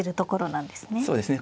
そうですね。